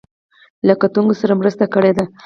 له کتونکو سره مرسته کړې ده.